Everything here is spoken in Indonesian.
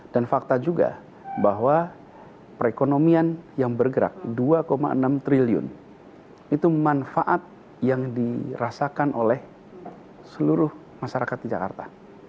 dan fakta juga bahwa perekonomian yang bergerak dua enam triliun itu manfaat yang dirasakan oleh seluruh masyarakat di jakarta